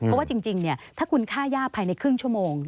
เพราะว่าจริงถ้าคุณฆ่าย่าภายในครึ่งชั่วโมง